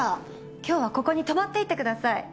今日はここに泊まっていってください。